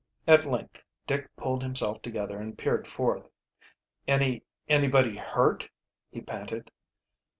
At length Dick pulled himself together and peered forth. "Any anybody hurt?" he panted.